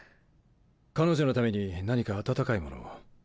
彼女のために何か温かいものを。